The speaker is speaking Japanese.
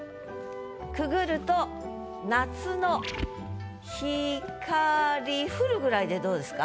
潜ると「夏のひかり降る」ぐらいでどうですか？